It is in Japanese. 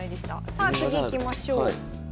さあ次いきましょう。